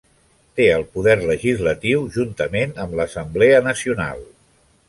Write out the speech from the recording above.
Té el poder legislatiu juntament amb l'Assemblea Nacional.